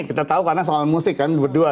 kita tahu karena soal musik kan berdua